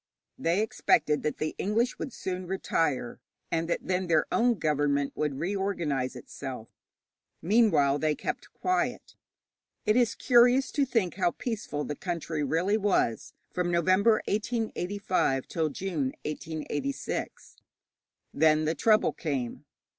They expected that the English would soon retire, and that then their own government would reorganize itself. Meanwhile they kept quiet. It is curious to think how peaceful the country really was from November, 1885, till June, 1886. Then the trouble came.